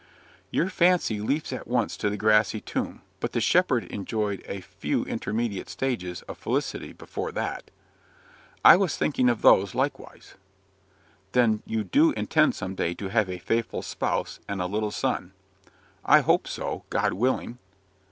'" "Your fancy leaps at once to the grassy tomb; but the shepherd enjoyed a few intermediate stages of felicity before that." "I was thinking of those likewise." "Then you do intend some day to have a 'faithful spouse and a little son'?" "I hope so God willing."